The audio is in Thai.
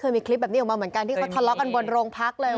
มีคลิปแบบนี้ออกมาเหมือนกันที่เขาทะเลาะกันบนโรงพักเลย